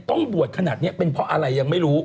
ต้องบวชขนาดนี้เป็นเพราะอะไรยังไม่รู้